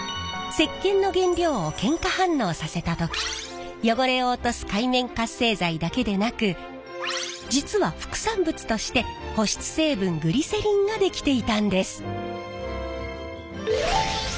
石けんの原料をけん化反応させた時汚れを落とす界面活性剤だけでなく実は副産物として保湿成分グリセリンができていたんです。